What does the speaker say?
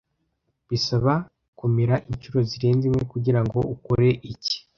Bisaba kumira inshuro zirenze imwe kugirango ukore icyi.